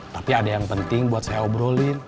tapi ada yang penting buat saya obrolin